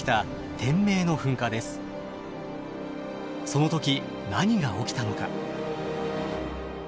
その時何が起きたのか？